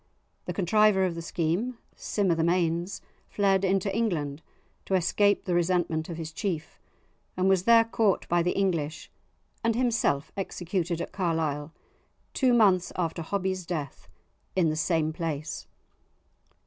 The contriver of the scheme, Sim o' the Mains, fled into England to escape the resentment of his chief, and was there caught by the English, and himself executed at Carlisle, two months after Hobbie's death in the same place!